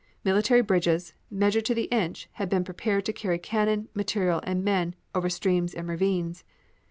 Military bridges, measured to the inch, had been prepared to carry cannon, material and men over streams and ravines.